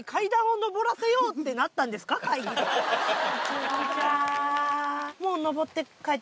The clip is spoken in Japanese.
こんにちは。